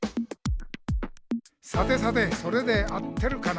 「さてさてそれで合ってるかな？」